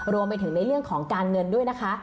รวมไปถึงในเรื่องของการเงินด้วยนะคะ